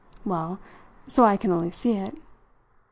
"Well so I can only see it."